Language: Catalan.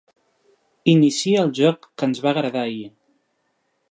Inicia el joc que ens va agradar ahir.